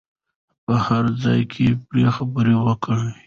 په هر ځای کې پرې خبرې وکړو.